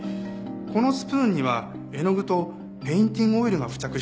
このスプーンには絵の具とペインティングオイルが付着していたんですね。